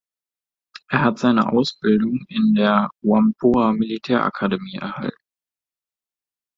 Er hat seine Ausbildung in der Whampoa-Militärakademie erhalten.